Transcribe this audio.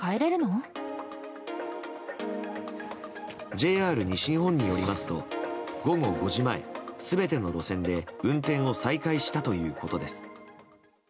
ＪＲ西日本によりますと午後５時前、全ての路線で運転を再開したということです。